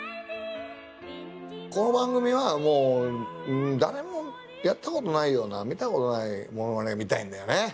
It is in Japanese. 「この番組はもう誰もやったことないような見たことないモノマネ見たいんだよね。